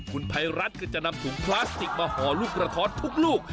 คุณภัยรัฐก็จะนำถุงพลาสติกมาห่อลูกกระท้อนทุกลูก